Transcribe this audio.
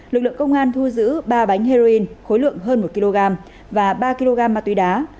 lực lượng công an thu giữ ba bánh heroin khối lượng hơn một kg và ba kg ma túy đá